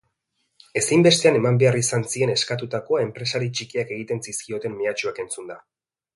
Ezinbestean eman behar izan zien esakatutakoa enpresari txikiak egiten zizkioten mehatxuak entzunda.